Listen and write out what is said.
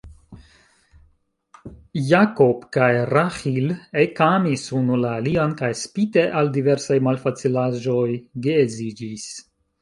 Jakob kaj Raĥil ekamis unu la alian, kaj, spite al diversaj malfacilaĵoj, geedziĝis.